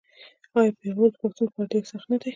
آیا پېغور د پښتون لپاره ډیر سخت نه دی؟